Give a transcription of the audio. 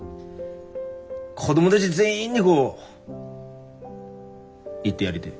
子供だぢ全員にこう言ってやりてえ。